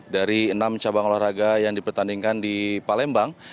dari enam cabang olahraga yang dipertandingkan di palembang